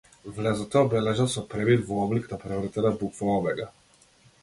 Влезот е обележан со премин во облик на превртена буква омега.